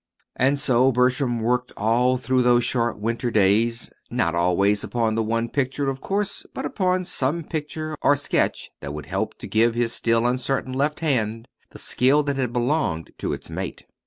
And so Bertram worked all through those short winter days, not always upon the one picture, of course, but upon some picture or sketch that would help to give his still uncertain left hand the skill that had belonged to its mate.